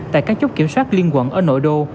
tại các chốt kiểm soát liên quận ở nội đô